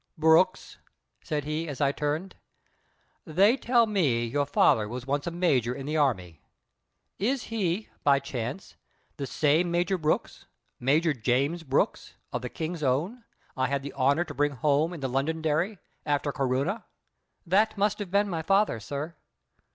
"Brooks," said he, as I turned, "they tell me your father was once a major in the Army. Is he, by chance, the same Major Brooks Major James Brooks, of the King's Own I had the honour to bring home in the Londonderry, after Corunna?" "That must have been my father, sir."